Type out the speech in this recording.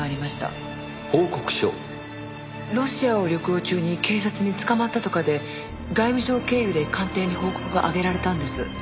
ロシアを旅行中に警察に捕まったとかで外務省経由で官邸に報告が上げられたんです。